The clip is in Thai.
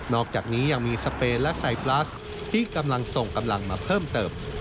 อกจากนี้ยังมีสเปนและไซปลัสที่กำลังส่งกำลังมาเพิ่มเติม